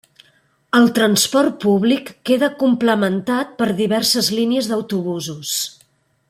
El transport públic queda complementat per diverses línies d'autobusos.